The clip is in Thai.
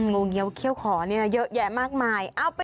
งูเงี้ยวเขี้ยวขอนี่นะเยอะแยะมากมาย